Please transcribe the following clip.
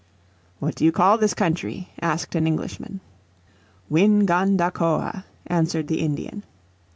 "What do you call this country?" asked an Englishman. "Win gan da coa," answered the Indian.